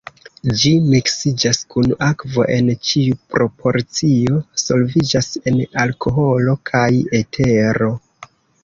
Ĝi miksiĝas kun akvo en ĉiu proporcio, solviĝas en alkoholo kaj etero.